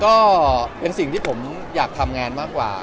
ก็เป็นสิ่งที่ผมอยากทำงานมากกว่า